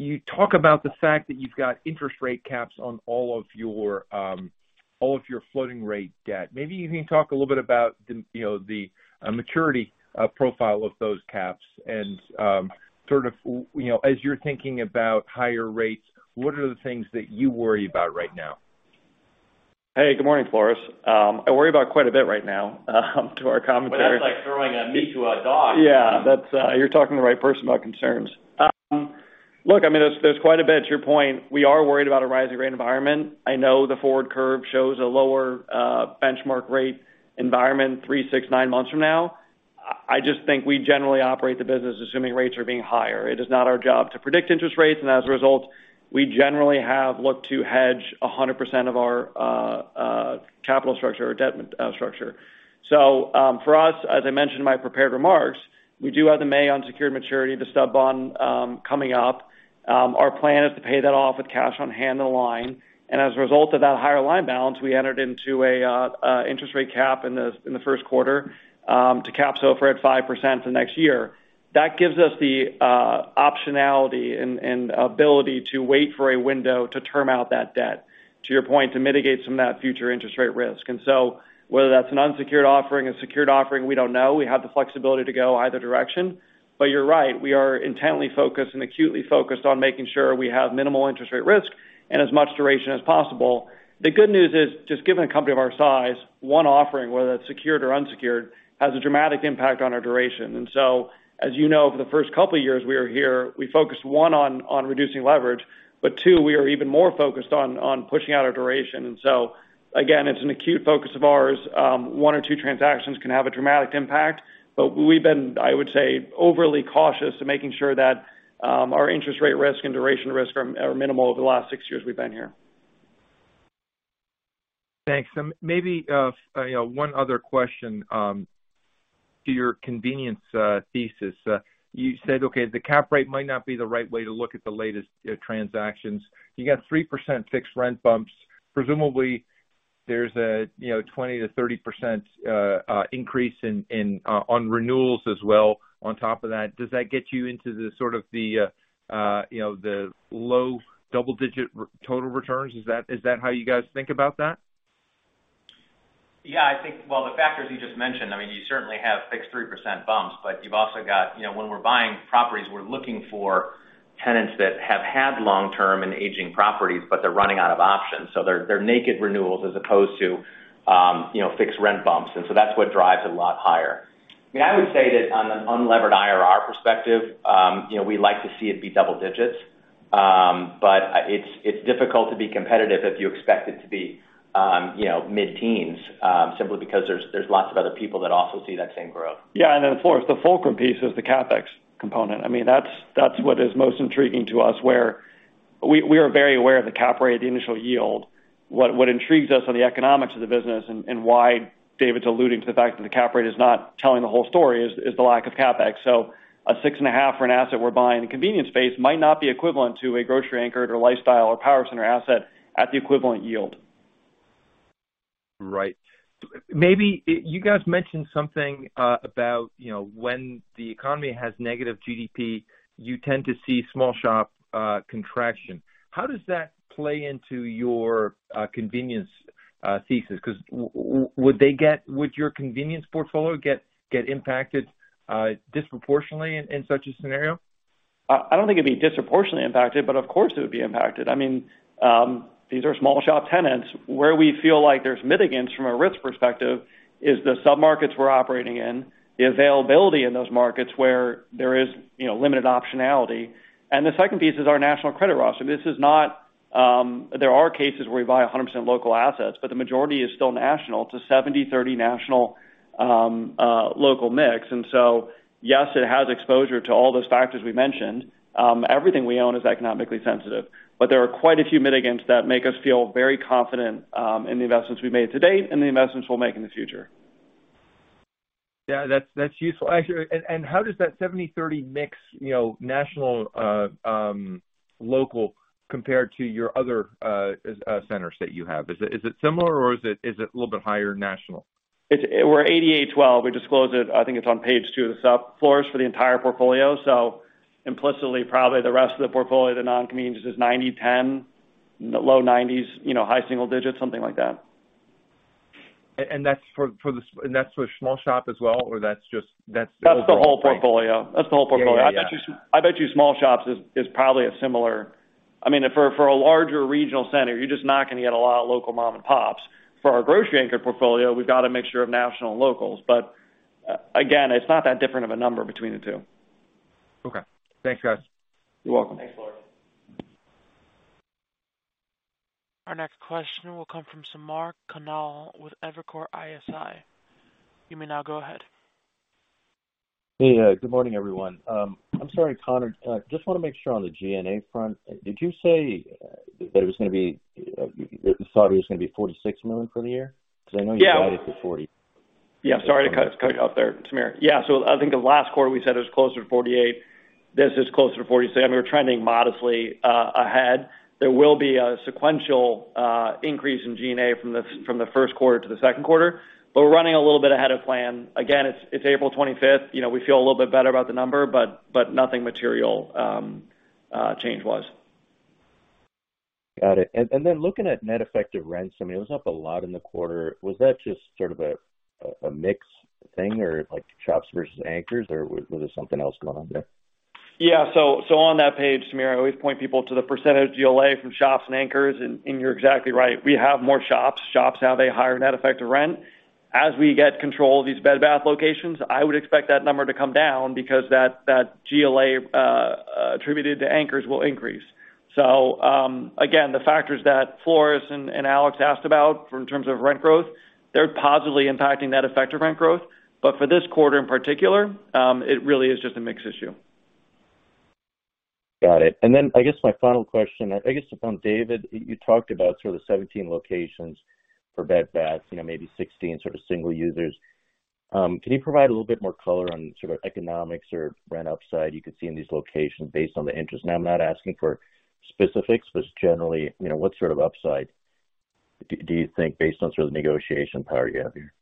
You talk about the fact that you've got interest rate caps on all of your floating rate debt. Maybe you can talk a little bit about the, you know, the maturity profile of those caps and, sort of, you know, as you're thinking about higher rates, what are the things that you worry about right now? Hey, good morning, Floris. I worry about quite a bit right now, to our commentary. Well, that's like throwing meat to a dog. That's... You're talking to the right person about concerns. Look, I mean, there's quite a bit. To your point, we are worried about a rising rate environment. I know the forward curve shows a lower benchmark rate environment three, six, nine months from now. I just think we generally operate the business assuming rates are being higher. It is not our job to predict interest rates, and as a result, we generally have looked to hedge 100% of our capital structure or debt structure. For us, as I mentioned in my prepared remarks, we do have the May unsecured maturity, the stub bond coming up. Our plan is to pay that off with cash on hand in the line. As a result of that higher line balance, we entered into an interest rate cap in the first quarter to cap SOFR at 5% the next year. That gives us the optionality and ability to wait for a window to term out that debt, to your point, to mitigate some of that future interest rate risk. Whether that's an unsecured offering, a secured offering, we don't know. We have the flexibility to go either direction. You're right, we are intently focused and acutely focused on making sure we have minimal interest rate risk and as much duration as possible. The good news is just given a company of our size, one offering, whether that's secured or unsecured, has a dramatic impact on our duration. As you know, for the first couple of years we were here, we focused, one, on reducing leverage. Two, we are even more focused on pushing out our duration. Again, it's an acute focus of ours. One or two transactions can have a dramatic impact. We've been, I would say, overly cautious to making sure that our interest rate risk and duration risk are minimal over the last six years we've been here. Thanks. Maybe, you know, one other question, to your convenience thesis. You said, okay, the cap rate might not be the right way to look at the latest transactions. You got 3% fixed rent bumps. Presumably, there's a, you know, 20%-30% increase on renewals as well on top of that. Does that get you into the sort of the, you know, the low double-digit re-total returns? Is that how you guys think about that? Well, the factors you just mentioned, I mean, you certainly have fixed 3% bumps, but you've also got, you know, when we're buying properties, we're looking for tenants that have had long-term and aging properties, but they're running out of options, so they're naked renewals as opposed to, you know, fixed rent bumps. That's what drives a lot higher. I mean, I would say that on an unlevered IRR perspective, you know, we like to see it be double digits. But it's difficult to be competitive if you expect it to be, you know, mid-teens, simply because there's lots of other people that also see that same growth. Yeah. Then of course, the fulcrum piece is the CapEx component. I mean, that's what is most intriguing to us, where we are very aware of the cap rate, the initial yield. What intrigues us on the economics of the business and why David's alluding to the fact that the cap rate is not telling the whole story is the lack of CapEx. A 6.5% for an asset we're buying in the convenience space might not be equivalent to a grocery anchored or lifestyle or power center asset at the equivalent yield. Right. Maybe you guys mentioned something about, you know, when the economy has negative GDP, you tend to see small shop contraction. How does that play into your convenience thesis? 'Cause would your convenience portfolio get impacted disproportionately in such a scenario? I don't think it'd be disproportionately impacted, but of course, it would be impacted. I mean, these are small shop tenants. Where we feel like there's mitigants from a risk perspective is the sub-markets we're operating in, the availability in those markets where there is, you know, limited optionality. The second piece is our national credit roster. There are cases where we buy 100% local assets, but the majority is still national to 70/30 national, local mix. Yes, it has exposure to all those factors we mentioned. Everything we own is economically sensitive, but there are quite a few mitigants that make us feel very confident in the investments we've made to date and the investments we'll make in the future. Yeah, that's useful. Actually. How does that 70/30 mix, you know, national, local compare to your other centers that you have? Is it similar or is it a little bit higher national? We're 80/8/12. We disclose it. I think it's on page two of the sup. Floris for the entire portfolio. Implicitly, probably the rest of the portfolio, the non-convenience is 90/10, low 90s, you know, high single digits, something like that. and that's for small shop as well, or that's just, that's the overall point. That's the whole portfolio. That's the whole portfolio. Yeah. Yeah. Yeah. I bet you small shops is probably a similar, I mean, for a larger regional center, you're just not gonna get a lot of local mom and pops. For our grocery anchor portfolio, we've got a mixture of national and locals, but again, it's not that different of a number between the two. Okay. Thanks, guys. You're welcome. Thanks, Floris. Our next question will come from Samir Khanal with Evercore ISI. You may now go ahead. Hey. Good morning, everyone. I'm sorry, Conor, just wanna make sure on the G&A front, did you say that you thought it was gonna be $46 million for the year? Yeah. Because I know you guided for 40. Sorry to cut you off there, Samir. I think the last quarter we said it was closer to 48. This is closer to 47. We were trending modestly ahead. There will be a sequential increase in G&A from the first quarter to the second quarter. We're running a little bit ahead of plan. Again, it's April 25th. You know, we feel a little bit better about the number, but nothing material change was. Got it. Then looking at net effective rents, I mean, it was up a lot in the quarter. Was that just sort of a mix thing or like shops versus anchors, or was there something else going on there? Yeah. So on that page, Samir, I always point people to the percentage GLA from shops and anchors, and you're exactly right. We have more shops. Shops have a higher net effective rent. As we get control of these Bed Bath locations, I would expect that number to come down because that GLA attributed to anchors will increase. Again, the factors that Flores and Alex asked about from in terms of rent growth, they're positively impacting that effective rent growth. For this quarter in particular, it really is just a mix issue. Got it. I guess my final question, I guess to, David, you talked about sort of the 17 locations for Bed Bath, you know, maybe 16 sort of single users. Can you provide a little bit more color on sort of economics or rent upside you could see in these locations based on the interest? Now, I'm not asking for specifics, but generally, you know, what sort of upside do you think based on sort of the negotiation power you have here?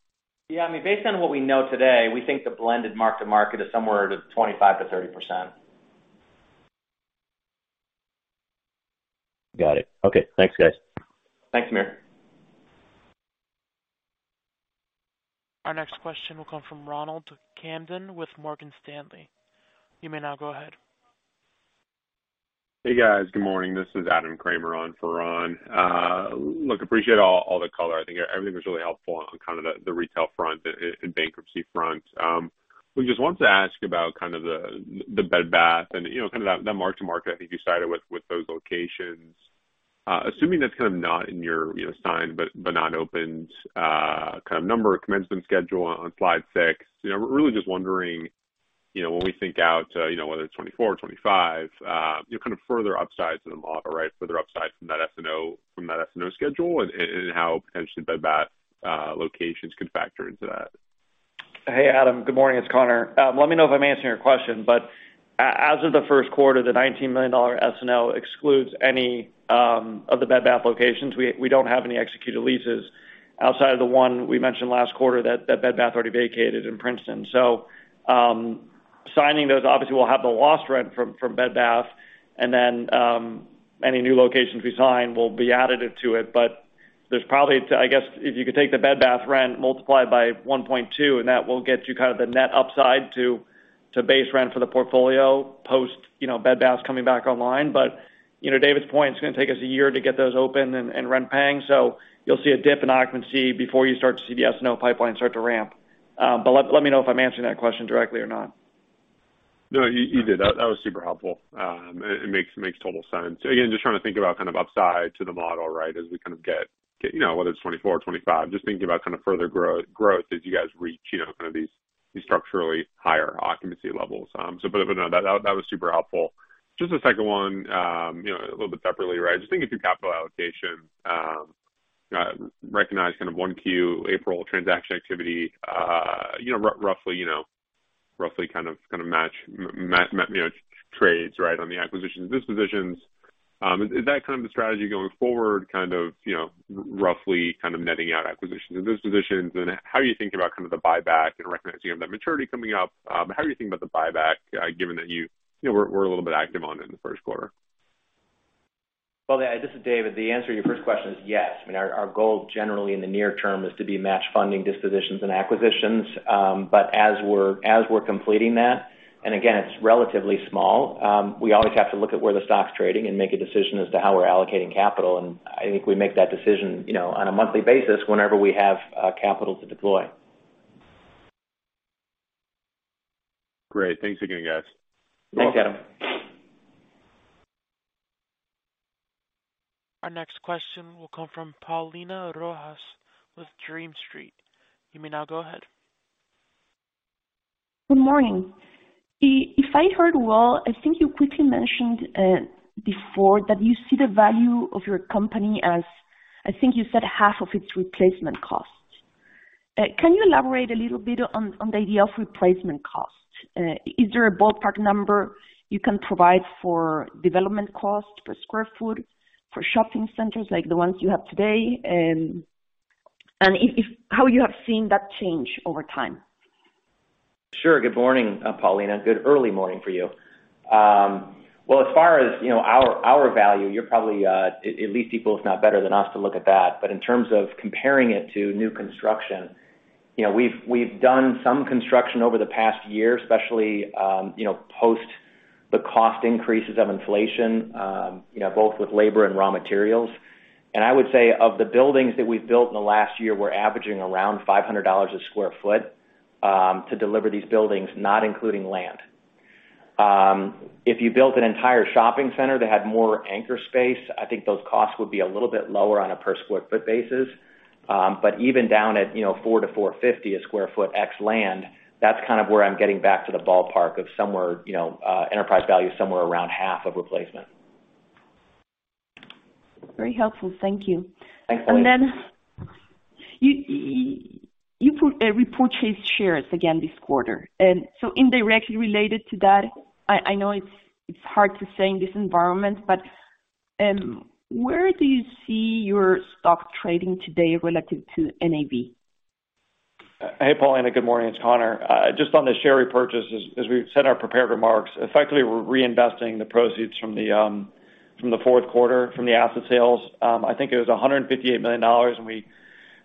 Yeah. I mean, based on what we know today, we think the blended mark-to-market is somewhere to 25%-30%. Got it. Okay. Thanks, guys. Thanks, Samir. Our next question will come from Ronald Kamdem with Morgan Stanley. You may now go ahead. Hey, guys. Good morning. This is Adam Kramer on for Ron. Look, appreciate all the color. I think everything was really helpful on kind of the retail front and bankruptcy front. We just wanted to ask about kind of the Bed Bath and, you know, kind of that mark-to-market I think you sided with those locations. Assuming that's kind of not in your, you know, signed but not opened, kind of number commencement schedule on slide six. You know, I'm really just wondering, you know, when we think out, you know, whether it's 2024, 2025, you know, kind of further upsides to the model, right? Further upside from that S&O, from that S&O schedule and how potentially Bed Bath locations can factor into that. Hey, Adam. Good morning. It's Conor. Let me know if I'm answering your question. As of the first quarter, the $19 million SNO excludes any of the Bed Bath locations. We don't have any executed leases outside of the one we mentioned last quarter that Bed Bath already vacated in Princeton. Signing those obviously will have the lost rent from Bed Bath and then any new locations we sign will be additive to it. There's probably, I guess, if you could take the Bed Bath rent multiplied by 1.2, and that will get you kind of the net upside to base rent for the portfolio post, you know, Bed Bath coming back online. You know, David's point, it's gonna take us a year to get those open and rent paying. You'll see a dip in occupancy before you start to see the SNO pipeline start to ramp. Let me know if I'm answering that question directly or not. No, you did. That was super helpful. It makes total sense. Again, just trying to think about kind of upside to the model, right? As we kind of get, you know, whether it's 2024, 2025, just thinking about kind of further growth as you guys reach, you know, kind of these structurally higher occupancy levels. No, that was super helpful. Just the second one, you know, a little bit separately, right? Just thinking through capital allocation, recognize kind of 1 Q April transaction activity, you know, roughly, you know, roughly kind of match, you know, trades, right, on the acquisitions, dispositions. Is that kind of the strategy going forward, kind of, you know, roughly kind of netting out acquisitions and dispositions? How are you thinking about kind of the buyback and recognizing you have that maturity coming up, how are you thinking about the buyback, given that you know, were a little bit active on it in the first quarter? Well, yeah, this is David. The answer to your first question is yes. I mean, our goal generally in the near term is to be match funding dispositions and acquisitions. As we're completing that, and again, it's relatively small, we always have to look at where the stock's trading and make a decision as to how we're allocating capital. I think we make that decision, you know, on a monthly basis whenever we have capital to deploy. Great. Thanks again, guys. Thanks, Adam. Our next question will come from Paulina Rojas-Schmidt with Green Street. You may now go ahead. Good morning. If I heard well, I think you quickly mentioned before that you see the value of your company as I think you said half of its replacement cost. Can you elaborate a little bit on the idea of replacement cost? Is there a ballpark number you can provide for development cost per square foot for shopping centers like the ones you have today? If how you have seen that change over time. Sure. Good morning, Paulina. Good early morning for you. Well, as far as you know, our value, you're probably at least equal, if not better than us to look at that. In terms of comparing it to new construction, you know, we've done some construction over the past year, especially, you know, post the cost increases of inflation, you know, both with labor and raw materials. I would say of the buildings that we've built in the last year, we're averaging around $500 a square foot to deliver these buildings, not including land. If you built an entire shopping center that had more anchor space, I think those costs would be a little bit lower on a per square foot basis. Even down at $4-$4.50 a square foot ex land, that's kind of where I'm getting back to the ballpark of somewhere, enterprise value somewhere around half of replacement. Very helpful. Thank you. Thanks, Paulina. You repurchase shares again this quarter. Indirectly related to that, I know it's hard to say in this environment, where do you see your stock trading today relative to NAV? Hey, Paulina, good morning. It's Conor. Just on the share repurchase, as we said in our prepared remarks, effectively, we're reinvesting the proceeds from the fourth quarter, from the asset sales. I think it was $158 million, and we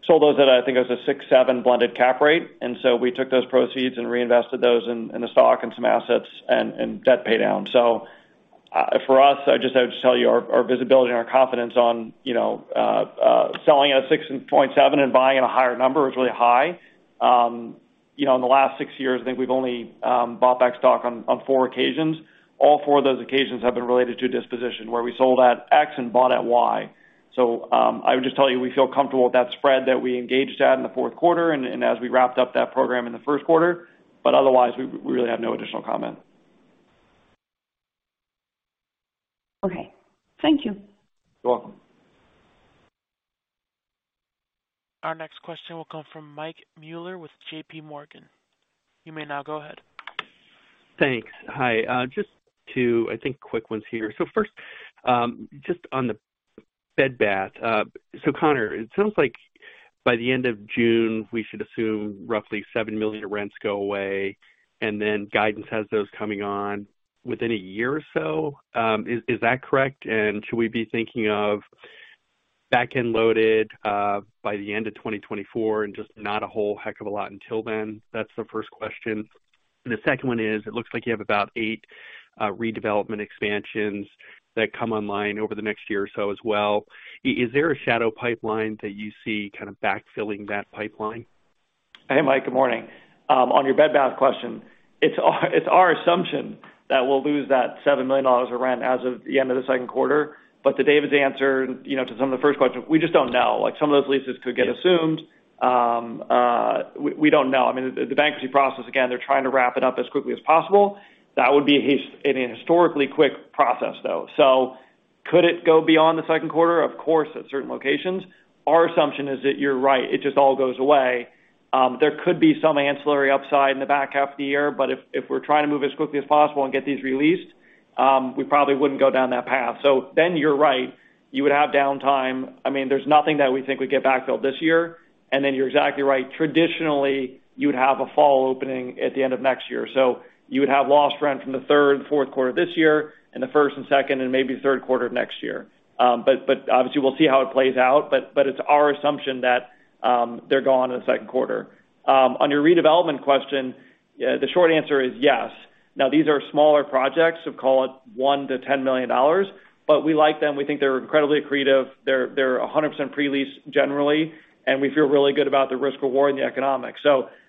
sold those at, I think it was a 6.7 blended cap rate. We took those proceeds and reinvested those in the stock and some assets and debt pay down. For us, I just have to tell you, our visibility and our confidence on, you know, selling at a 6.7 and buying at a higher number is really high. You know, in the last 6 years, I think we've only bought back stock on four occasions. All four of those occasions have been related to disposition, where we sold at X and bought at Y. I would just tell you, we feel comfortable with that spread that we engaged at in the fourth quarter and as we wrapped up that program in the first quarter. Otherwise, we really have no additional comment. Okay. Thank you. You're welcome. Our next question will come from Michael Mueller with JPMorgan. You may now go ahead. Thanks. Hi. just two, I think, quick ones here. First, just on the Bed Bath. Conor, it sounds like by the end of June, we should assume roughly $7 million of rents go away, then guidance has those coming on within a year or so. Is that correct? Should we be thinking of. Back end loaded, by the end of 2024 and just not a whole heck of a lot until then. That's the first question. The second one is, it looks like you have about eight redevelopment expansions that come online over the next year or so as well. Is there a shadow pipeline that you see kind of backfilling that pipeline? Hey, Mike, good morning. On your Bed Bath question, it's our assumption that we'll lose that $7 million of rent as of the end of the second quarter. To David's answer, you know, to some of the first questions, we just don't know. Like some of those leases could get assumed. We don't know. I mean, the bankruptcy process, again, they're trying to wrap it up as quickly as possible. That would be in a historically quick process, though. Could it go beyond the second quarter? Of course, at certain locations. Our assumption is that you're right, it just all goes away. There could be some ancillary upside in the back half of the year, but if we're trying to move as quickly as possible and get these released, we probably wouldn't go down that path. You're right, you would have downtime. I mean, there's nothing that we think would get backfilled this year. You're exactly right. Traditionally, you would have a fall opening at the end of next year. You would have lost rent from the third and fourth quarter this year and the first and second and maybe third quarter of next year. Obviously we'll see how it plays out. It's our assumption that they're gone in the second quarter. On your redevelopment question, the short answer is yes. These are smaller projects, call it $1 million-$10 million, we like them. We think they're incredibly accretive. They're 100% pre-lease generally, we feel really good about the risk reward and the economics.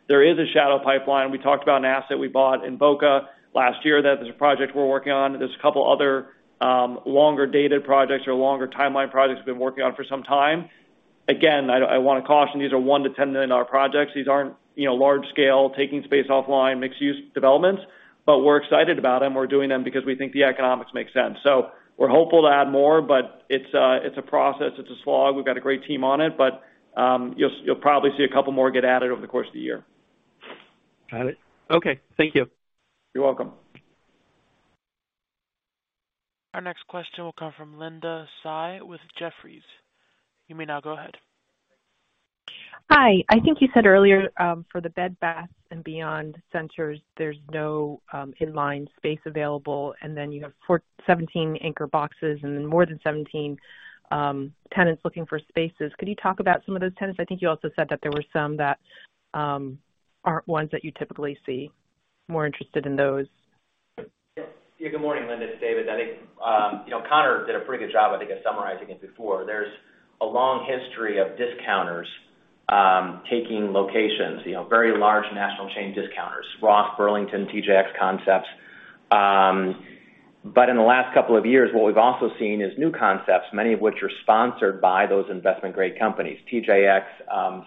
There is a shadow pipeline. We talked about an asset we bought in Boca last year that there's a project we're working on. There's a couple other, longer dated projects or longer timeline projects we've been working on for some time. I wanna caution these are $1 million-$10 million projects. These aren't, you know, large scale, taking space offline, mixed use developments, but we're excited about them. We're doing them because we think the economics make sense. We're hopeful to add more, but it's a process. It's a slog. We've got a great team on it. You'll probably see a couple more get added over the course of the year. Got it. Okay. Thank you. You're welcome. Our next question will come from Linda Tsai with Jefferies. You may now go ahead. Hi. I think you said earlier, for the Bed Bath & Beyond centers, there's no in-line space available. You have 17 anchor boxes and then more than 17 tenants looking for spaces. Could you talk about some of those tenants? I think you also said that there were some that aren't ones that you typically see. More interested in those. Yeah. Good morning, Linda Tsai. It's David Lukes. I think, you know, Conor Fennerty did a pretty good job, I think, at summarizing it before. There's a long history of discounters, taking locations, you know, very large national chain discounters, Ross, Burlington, TJX concepts. But in the last couple of years, what we've also seen is new concepts, many of which are sponsored by those investment grade companies. TJX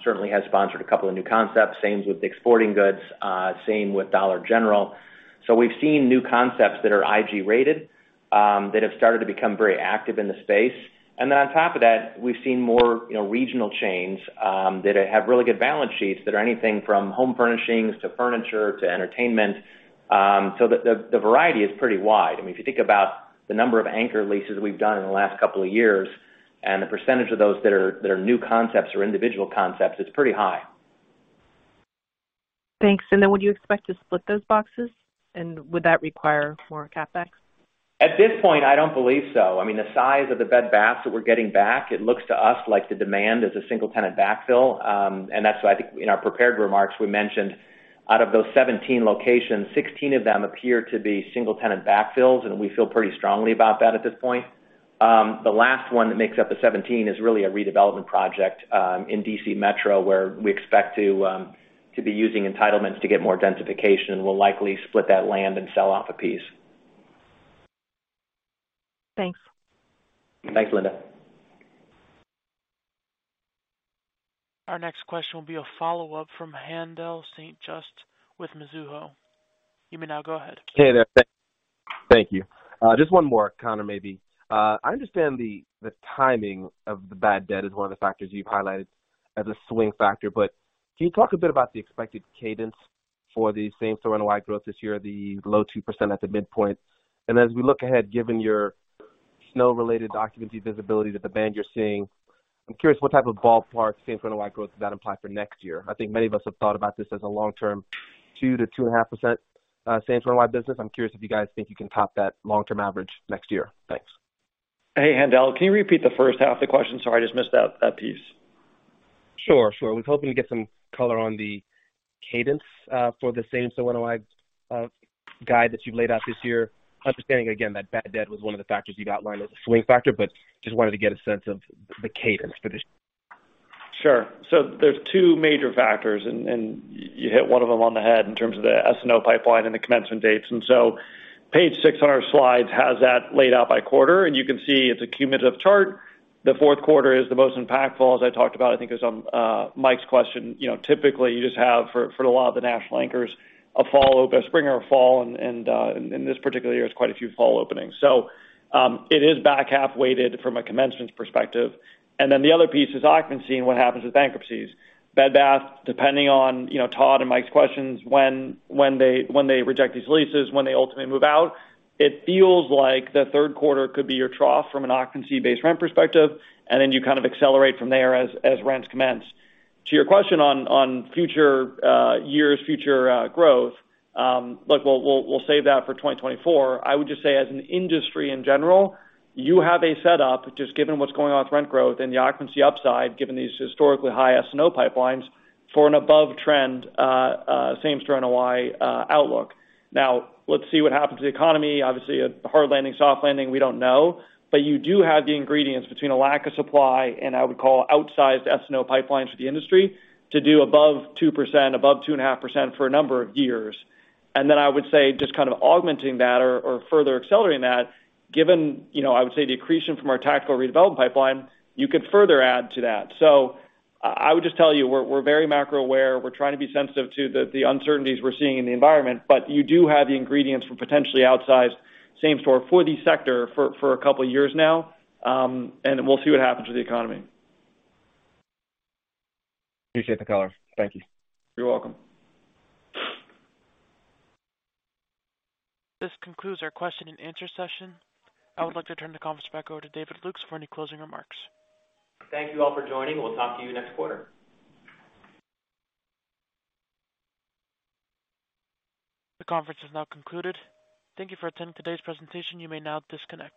certainly has sponsored a couple of new concepts. Same with Dick's Sporting Goods, same with Dollar General. We've seen new concepts that are IG rated that have started to become very active in the space. On top of that, we've seen more, you know, regional chains that have really good balance sheets that are anything from home furnishings to furniture to entertainment. The variety is pretty wide. I mean, if you think about the number of anchor leases we've done in the last couple of years and the percentage of those that are new concepts or individual concepts, it's pretty high. Thanks. Then would you expect to split those boxes, and would that require more CapEx? At this point, I don't believe so. I mean, the size of the Bed Bath that we're getting back, it looks to us like the demand is a single tenant backfill. That's why I think in our prepared remarks, we mentioned out of those 17 locations, 16 of them appear to be single tenant backfills, and we feel pretty strongly about that at this point. The last one that makes up the 17 is really a redevelopment project, in D.C. Metro, where we expect to be using entitlements to get more densification, and we'll likely split that land and sell off a piece. Thanks. Thanks, Linda. Our next question will be a follow-up from Haendel St. Juste with Mizuho. You may now go ahead. Hey there. Thank you. Just one more, Conor, maybe. I understand the timing of the bad debt is one of the factors you've highlighted as a swing factor, but can you talk a bit about the expected cadence for the Same-Store NOI growth this year, below 2% at the midpoint? As we look ahead, given your SNO-related occupancy visibility that the band you're seeing, I'm curious what type of ballpark Same-Store NOI growth does that imply for next year? I think many of us have thought about this as a long-term 2% to 2.5% Same-Store NOI business. I'm curious if you guys think you can top that long-term average next year. Thanks. Hey, Haendel, can you repeat the first half of the question? Sorry, I just missed that piece. Sure, sure. Was hoping to get some color on the cadence for the Same-Store NOI guide that you've laid out this year. Understanding again that bad debt was one of the factors you've outlined as a swing factor, but just wanted to get a sense of the cadence for this. Sure. There's two major factors, and you hit one of them on the head in terms of the SNO pipeline and the commencement dates. Page six on our slides has that laid out by quarter. You can see it's a cumulative chart. The fourth quarter is the most impactful, as I talked about, I think, as Mike's question. You know, typically you just have for a lot of the national anchors, a spring or a fall. This particular year has quite a few fall openings. It is back half weighted from a commencements perspective. The other piece is occupancy and what happens with bankruptcies. Bed Bath, depending on, you know, Todd and Mike's questions, when they reject these leases, when they ultimately move out, it feels like the third quarter could be your trough from an occupancy based rent perspective. Then you kind of accelerate from there as rents commence. To your question on future years, future growth, look, we'll save that for 2024. I would just say as an industry in general, you have a set up just given what's going on with rent growth and the occupancy upside, given these historically high SNO pipelines for an above trend Same-Store NOI outlook. Now, let's see what happens to the economy. Obviously a hard landing, soft landing, we don't know. You do have the ingredients between a lack of supply and I would call outsized SNO pipelines for the industry to do above 2%, above 2.5% for a number of years. I would say just kind of augmenting that or further accelerating that given, you know, I would say the accretion from our tactical redevelop pipeline, you could further add to that. I would just tell you, we're very macro aware. We're trying to be sensitive to the uncertainties we're seeing in the environment. You do have the ingredients for potentially outsized Same-Store for the sector for a couple of years now. We'll see what happens with the economy. Appreciate the color. Thank you. You're welcome. This concludes our question and answer session. I would like to turn the conference back over to David Lukes for any closing remarks. Thank you all for joining. We'll talk to you next quarter. The conference has now concluded. Thank you for attending today's presentation. You may now disconnect.